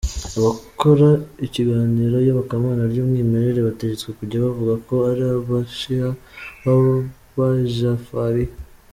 Abakora ikiganiro Iyobokamana ry’Umwimerere bategetswe kujya bavuga ko ari aba Shia b’Abajafariya.